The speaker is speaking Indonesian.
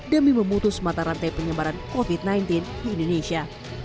demi memutus mata rantai penyebaran covid sembilan belas di indonesia